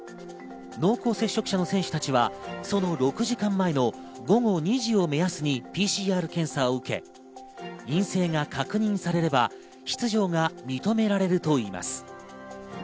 濃厚接触者の選手たちはその６時間前の午後２時を目安にＰＣＲ検査を受け、陰性が確認されれば出場が認められるといいます。